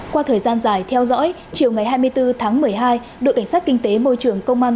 qua thời gian dài theo dõi chiều ngày hai mươi bốn tháng một mươi hai đội cảnh sát kinh tế môi trường công an